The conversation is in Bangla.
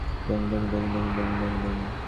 সমাজের সঙ্গে ওকালতি চলবে না।